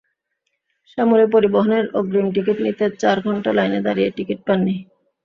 শ্যামলী পরিবহনের অগ্রিম টিকিট নিতে চার ঘণ্টা লাইনে দাঁড়িয়ে টিকিট পাননি।